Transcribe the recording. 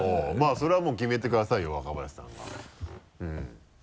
それはもう決めてくださいよ若林さんが。